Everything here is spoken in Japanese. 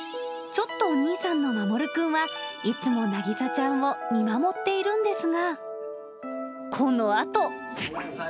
ちょっとお兄さんのまもるくんは、いつもなぎさちゃんを見守っているんですが、このあと。